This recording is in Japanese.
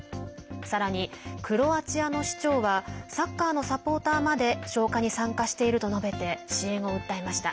さらにクロアチアの市長はサッカーのサポーターまで消火に参加していると述べて支援を訴えました。